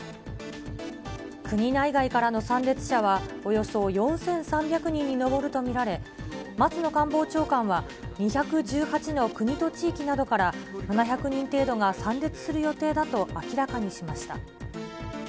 国内外からの参列者はおよそ４３００人に上ると見られ、松野官房長官は、２１８の国と地域などから、７００人程度が参列する予定だと明らかにしました。